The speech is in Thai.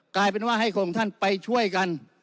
กลายเป็นว่าให้ของท่านไปช่วยกัน